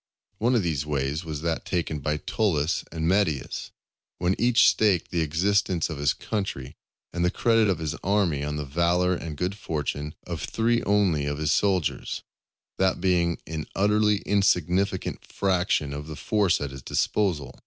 One of these ways was that taken by Tullus and Metius, when each staked the existence of his country and the credit of his army on the valour and good fortune of three only of his soldiers, that being an utterly insignificant fraction of the force at his disposal.